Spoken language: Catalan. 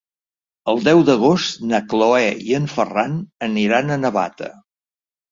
El deu d'agost na Cloè i en Ferran aniran a Navata.